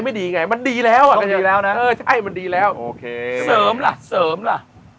มันดีแล้วต้องดีแล้วนะเออใช่มันดีแล้วโอเคเสริมล่ะเสริมล่ะ